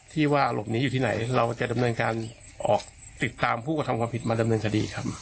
ว่าหลบหนีอยู่ที่ไหนเราจะดำเนินการออกติดตามผู้กระทำความผิดมาดำเนินคดีครับ